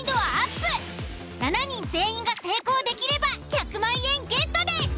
７人全員が成功できれば１００万円ゲットです。